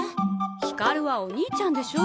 光はお兄ちゃんでしょ。